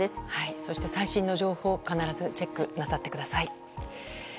そして最新の情報を必ずチェックなさってください。